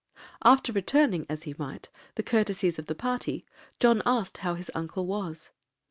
After returning, 'as he might,' the courtesies of the party, John asked how his uncle was.